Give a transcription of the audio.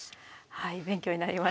はい。